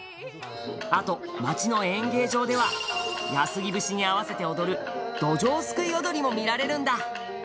あと、町の演芸場では安来節に合わせて踊るどじょうすくい踊りも見られるんだ！